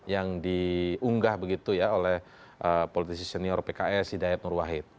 yang diunggah begitu ya oleh politisi senior pks hidayat nur wahid